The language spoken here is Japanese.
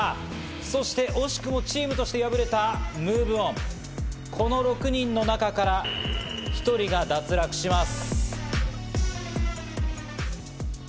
そして惜しくもチームとして敗れたＭｏｖｅＯｎ、この６人の中から１人が脱落します。